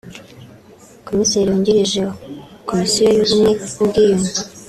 Komiseri wungirije wa Komisiyo y’Ubumwe n’Ubwiyunge